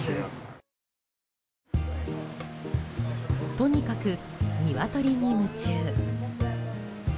とにかくニワトリに夢中。